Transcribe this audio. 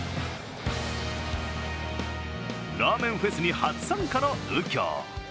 ラーメンフェスに初参加の右京。